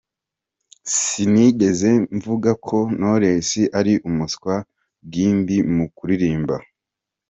"Sinigeze mvuga ko Knowless ari umuswa bwimbi mu kuririmba.